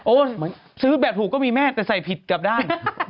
เหมือนซื้อแบบถูกก็มีแม่แต่ใส่ผิดกลับด้าน